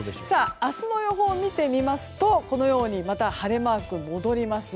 明日の予報を見てみますとまた晴れマーク戻ります。